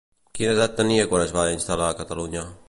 Quina edat tenia quan es va instal·lar a Catalunya?